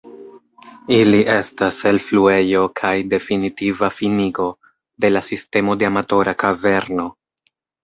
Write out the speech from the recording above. Ili estas elfluejo kaj definitiva finigo de la sistemo de Amatora kaverno.